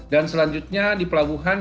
dan selanjutnya di pelabuhan